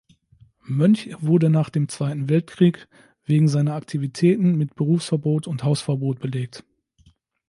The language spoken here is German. Mönch wurde nach dem Zweiten Weltkrieg wegen seiner Aktivitäten mit Berufsverbot und Hausverbot belegt.